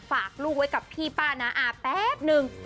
ฝากลูกไว้กับพี่ป้าน้าอาแป๊บนึง